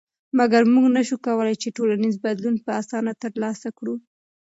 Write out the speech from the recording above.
مګر موږ نشو کولی چې ټولنیز بدلون په اسانه تر لاسه کړو.